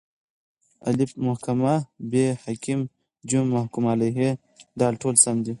الف: محکوم له ب: حاکم ج: محکوم علیه د: ټوله سم دي